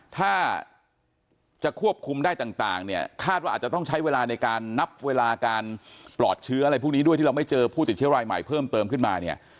ถ้าจะควบคุมได้ต่างเนี่ยคาดว่าอาจจะต้องใช้เวลาในการนับเวลาการปลอดเชื้ออะไรพวกนี้ด้วยที่เราไม่เจอผู้ติดเชื้อรายใหม่เพิ่มเติมขึ้นมาเนี่ย